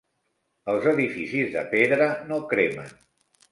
Els edificis de pedra no cremen.